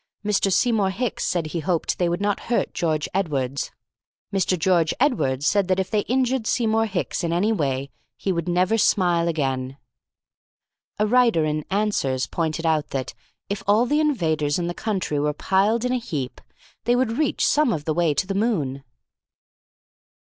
Mr. Seymour Hicks said he hoped they would not hurt George Edwardes. Mr. George Edwardes said that if they injured Seymour Hicks in any way he would never smile again. A writer in Answers pointed out that, if all the invaders in the country were piled in a heap, they would reach some of the way to the moon.